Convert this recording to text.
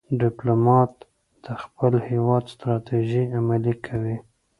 ډيپلومات د خپل هېواد ستراتیژۍ عملي کوي.